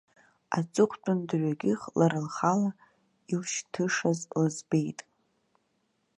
Аҵыхәтәан дырҩегьых лара лхала илшьҭышаз лыӡбеит.